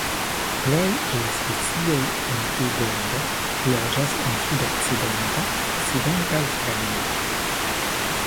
Plej el la specioj en tiu genro loĝas en sudokcidenta Okcidenta Aŭstralio.